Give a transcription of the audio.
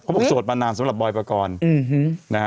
เพราะบอกโสดมานานสำหรับบอยปกรณ์